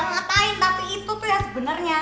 engga ngatain tapi itu tuh ya sebenernya